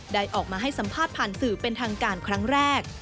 ได้ออกมาให้สัมภาษณ์ผ่านสื่อเป็นทางการครั้งแรก